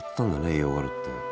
栄養があるって。